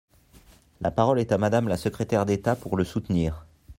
La parole est à Madame la secrétaire d’État pour le soutenir.